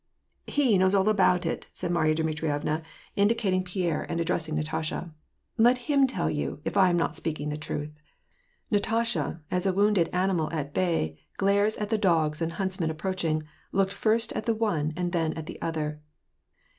'' He knows all about it/' said Marya Dmitrievna, indicating 382 WAR AND PEACE. Pierre, and addressing Natasha. *^ Let him tell you if I am not speaking the truth." Natasha, as a Abounded animal at bay glares at the dogs and huntsmen approaching, looked first at the one and then at the other.